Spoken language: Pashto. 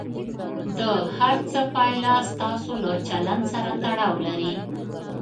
د هر څه پایله ستاسو له چلند سره تړاو لري.